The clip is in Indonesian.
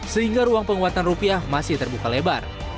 sehingga ruang penguatan rupiah masih terbuka lebar